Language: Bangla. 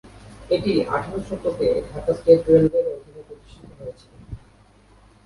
এটি আঠারো শতকে ঢাকা স্টেট রেলওয়ের অধীনে প্রতিষ্ঠিত হয়েছিল।